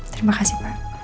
terima kasih pak